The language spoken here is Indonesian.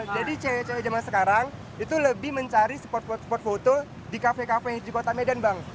jadi cewek cewek zaman sekarang itu lebih mencari spot spot foto di kafe kafe di kota medan bang